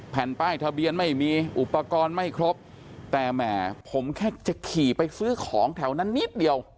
แผ่นป้ายทะเบียนไม่มีอุปกรณ์ไม่ครบแต่แหมผมแค่จะขี่ไปซื้อของแถวนั้นนิดเดียว